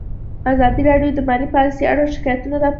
ازادي راډیو د مالي پالیسي اړوند شکایتونه راپور کړي.